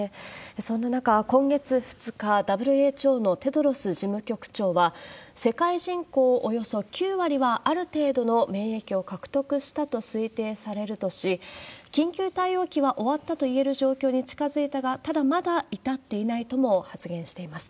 そんな中、今月２日、ＷＨＯのテドロス事務局長は、世界人口およそ９割は、ある程度の免疫を獲得したと推定されるとし、緊急対応期は終わったといえる状況に近づいたが、ただまだ至っていないとも発言しています。